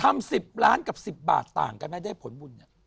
ทำสิบล้านกับสิบบาทต่างกันนะได้ผลบุญ